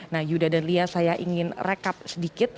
nah yuda dan lia saya ingin rekap sedikit